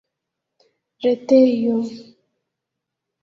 retejo